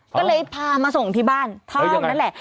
ก็เลยพามาส่งที่บ้านเท่านั้นแหละ